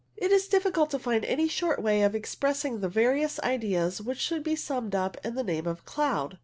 It is difficult to find any short way of expressing the various ideas which should be summed up in the name of a cloud.